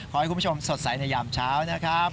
ขอให้คุณผู้ชมสดใสในยามเช้านะครับ